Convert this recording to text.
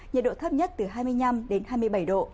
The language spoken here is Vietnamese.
nhiệt độ thấp nhất từ hai mươi năm đến hai mươi bảy độ